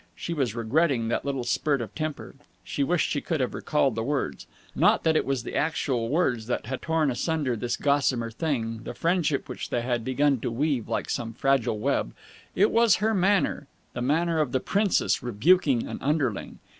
She was regretting that little spurt of temper. She wished she could have recalled the words. Not that it was the actual words that had torn asunder this gossamer thing, the friendship which they had begun to weave like some fragile web: it was her manner, the manner of the princess rebuking an underling.